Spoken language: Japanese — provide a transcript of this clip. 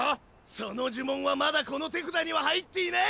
その呪文はまだこの手札には入っていない。